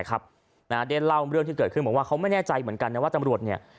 ได้เล่าเรื่องที่เกิดขึ้นบอกว่าเขาไม่แน่ใจเหมือนกันนะว่าตำรวจเนี่ย